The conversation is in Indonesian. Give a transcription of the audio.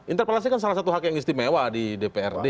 interpelasi kan salah satu hak yang istimewa di dprd